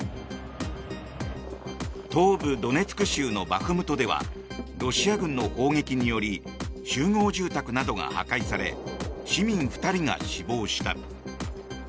東部ドネツク州のバフムトではロシア軍の砲撃により集合住宅などが破壊され市民２人が死亡した。